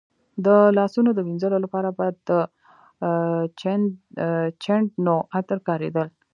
د لاسونو د وینځلو لپاره به د چندڼو عطر کارېدل.